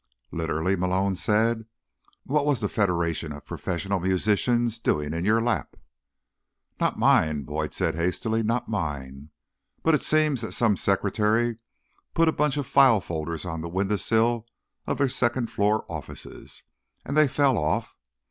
"Literally?" Malone said. "What was the Federation of Professional Musicians doing in your lap?" "Not mine," Boyd said hastily. "Not mine. But it seems that some secretary put a bunch of file folders on the windowsill of their second floor offices, and they fell off.